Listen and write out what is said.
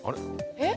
えっ？